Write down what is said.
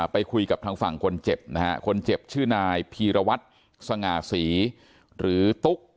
ไปคุยกับทางฝั่งคนเจ็บนะฮะคนเจ็บชื่อนายพีรวัตรสง่าศรีหรือตุ๊ก